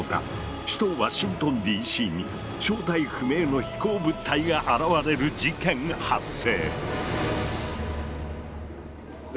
首都ワシントンＤ．Ｃ．に正体不明の飛行物体が現れる事件発生！